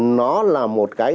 nó là một cái